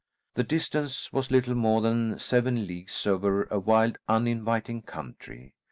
The distance was little more than seven leagues over a wild uninviting country.